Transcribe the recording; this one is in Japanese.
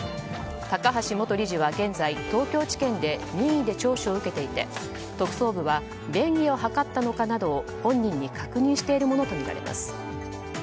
高橋元理事は現在、東京地検で任意で聴取を受けていて特捜部は便宜を図ったかなど本人に確認しているものとみられます。